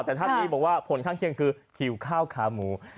แต่ท่านนี้บอกว่าผลข้างเคียงคือหิวข้าวขาหมู